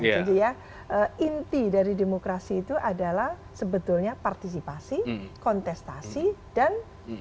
jadi ya inti dari demokrasi itu adalah sebetulnya partisipasi kontestasi dan kepentingan